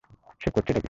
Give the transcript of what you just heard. সে করছেটা কী?